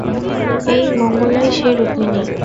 এই মঙ্গলাই সেই রুক্মিণী।